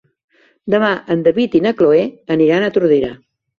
Demà en David i na Cloè aniran a Tordera.